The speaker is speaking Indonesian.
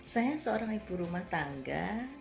saya seorang ibu rumah tangga